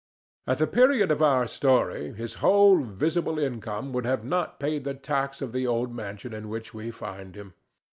At the period of our story his whole visible income would not have paid the tax of the old mansion in which we find him.